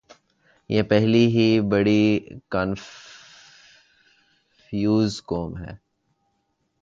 یہ پہلے ہی بڑی کنفیوز قوم ہے۔